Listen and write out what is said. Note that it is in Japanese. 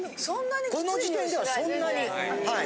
この時点ではそんなにはい。